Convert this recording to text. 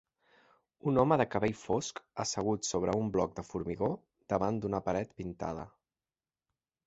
Un home de cabell fosc assegut sobre un bloc de formigó davant d'una paret pintada.